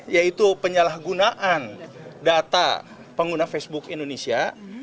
yaitu penyalahgunaan data pengguna facebook indonesia